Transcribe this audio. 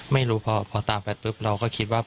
ไม่รู้พอตามไปปุ๊บเราก็คิดว่า